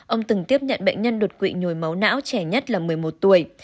ông từng tiếp nhận bệnh nhân đột quỵ nhồi máu não trẻ nhất là một mươi một tuổi